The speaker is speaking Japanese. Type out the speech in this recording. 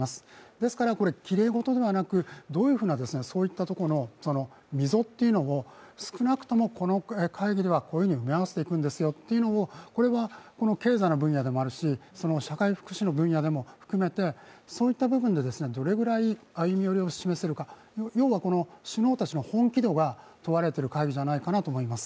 ですからこれはきれい事だけでなくどういうふうなそういうところの溝というのを少なくともこの会議ではこういうふうに埋め合わせていくんですよというのを経済の分野でもあるし、社会福祉の部分も含めてそういった部分でどれくらい歩み寄りするか、要は首脳たちの本気度が問われている会議じゃないかなと思います。